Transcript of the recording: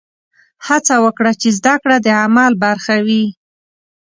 هڅه وکړه چې زده کړه د عمل برخه وي.